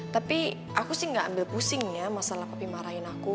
tapi aku sih gak ambil pusing ya masalah kopi marahin aku